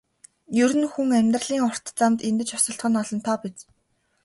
Ер нь хүн амьдралын урт замд эндэж осолдох нь олонтоо биз.